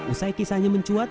usai kisahnya mencuat